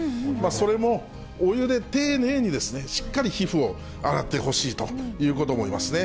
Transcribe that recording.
それもお湯で丁寧にですね、しっかり皮膚を洗ってほしいということですね。